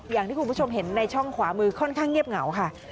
อย่างที่คุณผู้ชมเห็นในช่องขวามือค่อนข้างเงียบเหงาค่ะ